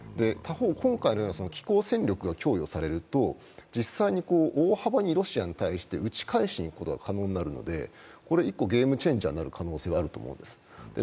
他方、今回のような機構戦力が供与されると実際に大幅にロシアに対して打ち返しが可能になるので一個ゲームチェンジャーになる可能性があると思うんです。